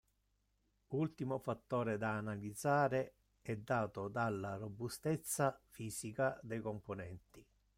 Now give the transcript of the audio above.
Ultimo fattore da analizzare è dato dalla robustezza fisica dei componenti.